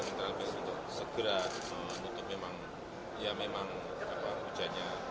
bapak bapak ini bagaimana